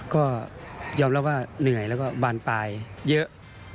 ก็ยอมรับว่าเหนื่อยแล้วก็บานปลายเยอะ